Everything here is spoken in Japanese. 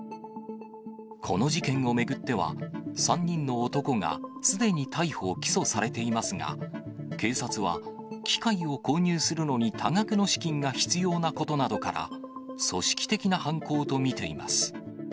この事件を巡っては、３人の男がすでに逮捕・起訴されていますが、警察は、機械を購入するのに多額の資金が必要なことなどから、組織的な犯行と見ています。